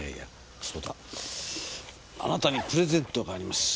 あなたにプレゼントがあります。